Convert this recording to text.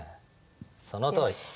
そのとおり。